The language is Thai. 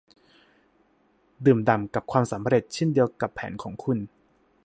ดื่มด่ำกับความสำเร็จเช่นเดียวกับแผนของคุณ